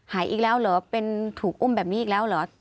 หายอีกแล้วเหรอเป็นถูกอุ้มแบบนี้อีกแล้วเหรอ